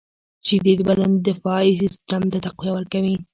• شیدې د بدن دفاعي سیسټم ته تقویه ورکوي.